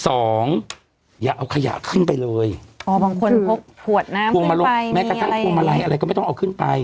อย่าเอาขยะขึ้นไปเลยอ๋อบางคนพกขวดน้ำพวงมาลบแม้กระทั่งพวงมาลัยอะไรก็ไม่ต้องเอาขึ้นไป